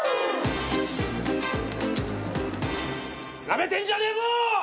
なめてんじゃねえぞ！